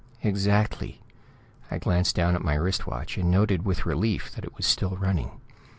"Exactly." I glanced down at my wrist watch, and noted with relief that it was still running.